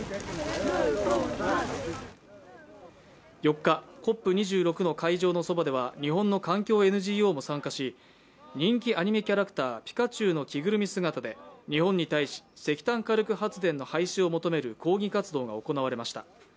４日、ＣＯＰ２６の会場のそばでは日本の環境ＮＧＯも参加し、人気アニメキャラクター、ピカチュウの着ぐるみ姿で日本に対し石炭火力発電の廃止を求める抗議活動が行われました。